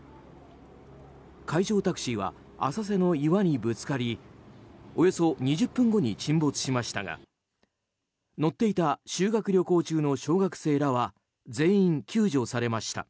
海上タクシーは浅瀬の岩にぶつかりおよそ２０分後に沈没しましたが乗っていた修学旅行中の小学生らは全員救助されました。